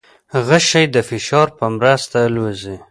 غشی د فشار په مرسته الوزي.